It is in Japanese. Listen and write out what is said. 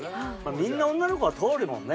みんな女の子は通るもんね。